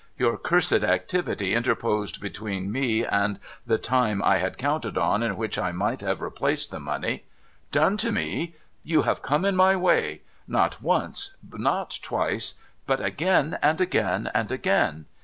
Your cursed activity interposed between me, and the time I had counted on in which I might have replaced the money. Done to me ? You have come in my way — not once, not twice, but again and again and again.